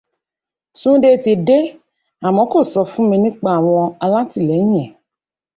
Túndé ti dé, àmọ kò sọ fún mi nípa àwọn alátìlẹyìn ẹ̀.